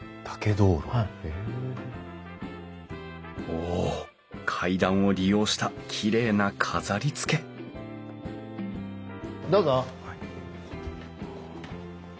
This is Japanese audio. お階段を利用したきれいな飾りつけどうぞ。